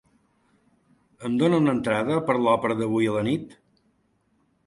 Em dona una entrada per a l'òpera d'avui a la nit?